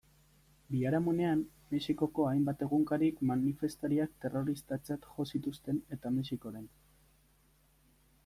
Biharamunean, Mexikoko hainbat egunkarik manifestariak terroristatzat jo zituzten eta Mexikoren.